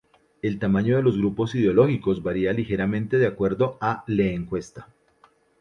El tamaño de los grupos ideológicos varía ligeramente de acuerdo a le encuesta.